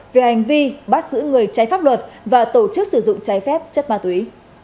về hành vi bắt giữ người trái pháp luật và tổ chức sử dụng trái phép chất ma túy